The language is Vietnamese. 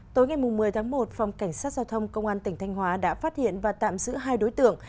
tối ngày một mươi tháng một phòng cảnh sát giao thông công an tỉnh thanh hóa đã phát hiện và tạm giữ hai đối tượng